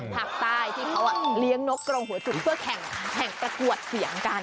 ภาคใต้ที่เขาเลี้ยงนกกรงหัวจุกเพื่อแข่งประกวดเสียงกัน